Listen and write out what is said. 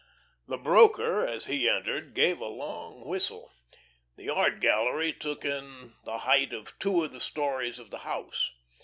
The broker, as he entered, gave a long whistle. The art gallery took in the height of two of the stories of the house.